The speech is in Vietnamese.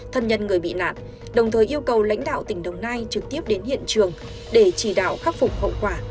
thân nhân người bị nạn đồng thời yêu cầu lãnh đạo tỉnh đồng nai trực tiếp đến hiện trường để chỉ đạo khắc phục hậu quả